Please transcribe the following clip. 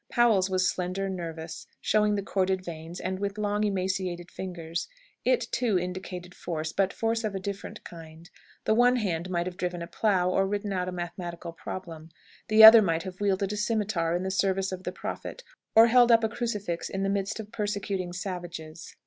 Powell's was slender, nervous, showing the corded veins, and with long emaciated fingers. It, too, indicated force; but force of a different kind. The one hand might have driven a plough, or written out a mathematical problem; the other might have wielded a scimitar in the service of the Prophet, or held up a crucifix in the midst of persecuting savages.